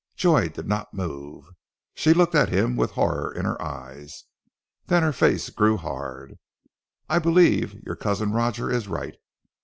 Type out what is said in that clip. Joy did not move. She looked at him with horror in her eyes. Then her face grew hard. "I believe, your cousin Roger is right.